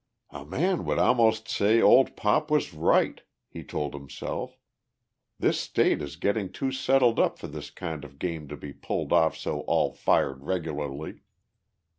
"A man would almost say old Pop was right," he told himself. "This state is getting too settled up for this kind of game to be pulled off so all fired regularly.